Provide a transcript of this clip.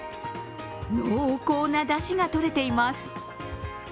濃厚なだしがとれています。